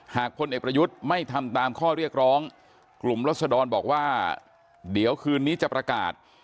พลเอกประยุทธ์ไม่ทำตามข้อเรียกร้องกลุ่มรัศดรบอกว่าเดี๋ยวคืนนี้จะประกาศ